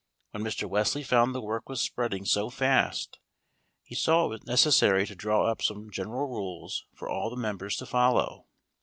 When Mr. Wesley found the work was spreading so fast, he saw it was necessary to draw up some general rules for all the members to follow.